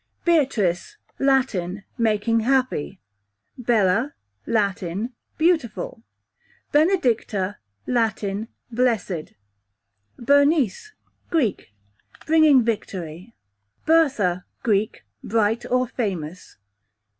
Beatrice, Latin, making happy. Bella, Italian, beautiful. Benedicta, Latin, blessed. Bernice, Greek, bringing victory. Bertha, Greek, bright or famous.